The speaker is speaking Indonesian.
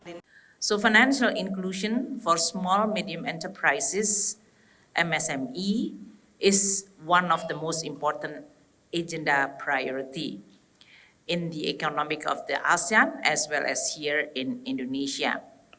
inklusi keuangan untuk perusahaan kecil dan medium msme adalah salah satu agenda prioritas yang paling penting di ekonomi asean dan di indonesia